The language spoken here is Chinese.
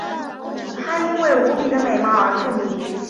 她因为无比的美貌而著名。